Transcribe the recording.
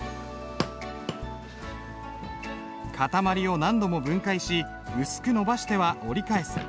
塊を何度も分解し薄くのばしては折り返す。